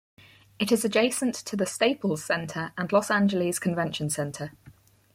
It is adjacent to the Staples Center and Los Angeles Convention Center.